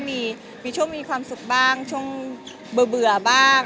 มีช่วงมีความสุขบ้างช่วงเบื่อบ้าง